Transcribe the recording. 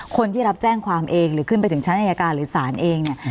คนที่รับแจ้งความเองหรือขึ้นไปถึงชั้นอายการหรือศาลเองเนี่ย